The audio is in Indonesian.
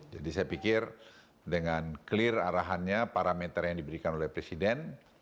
jadi saya pikir dengan clear arahannya parameter yang diberikan oleh presiden